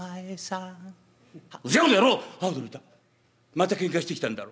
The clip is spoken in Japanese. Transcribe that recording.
また喧嘩してきたんだろ。